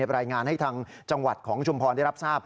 รายงานให้ทางจังหวัดของชุมพรได้รับทราบ